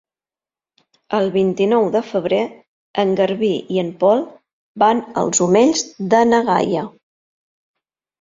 El vint-i-nou de febrer en Garbí i en Pol van als Omells de na Gaia.